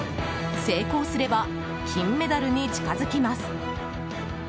成功すれば金メダルに近づきます。